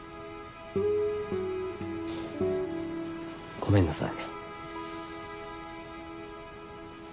ごめんなさい。